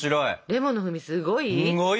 レモンの風味すごい？